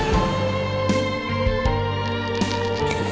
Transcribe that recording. jangan lupa untuk mencoba